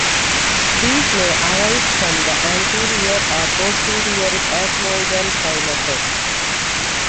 These may arise from the anterior or posterior ethmoidal sinuses.